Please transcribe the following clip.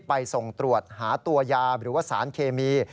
ไปส่งตรวจหาตัวยาหรือว่าสารเคมี